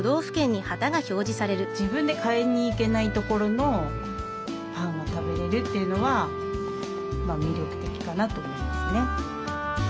自分で買いに行けない所のパンを食べれるというのは魅力的かなと思いますね。